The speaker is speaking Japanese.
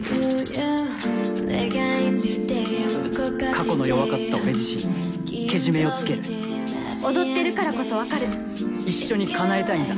過去の弱かった俺自身にけじめをつける踊ってるからこそ分かる一緒に叶えたいんだ